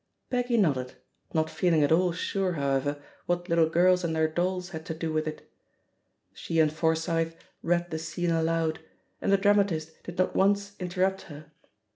Peggy nodded, not feeling at aU sure, how 242 THE POSITION OP PEGGY HARPER ever, what little girls and their dolls had to do with it. She and Forsyth read the scene aloud^ and the dramatist did not once interrupt her.